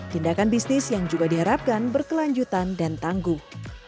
tindakan bisnis yang juga diharapkan berkelanjutan dan tangguh